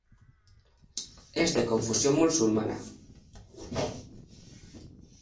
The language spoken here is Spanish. Es de confesión musulmana.